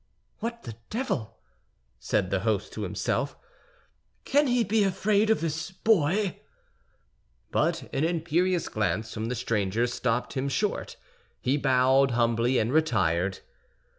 "What the devil!" said the host to himself. "Can he be afraid of this boy?" But an imperious glance from the stranger stopped him short; he bowed humbly and retired.